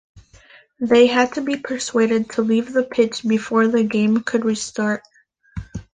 They had to be persuaded to leave the pitch before the game could restart.